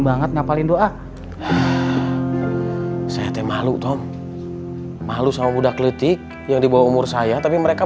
banget ngapalin doa saya temalu tom malu sama budak letih yang dibawa umur saya tapi mereka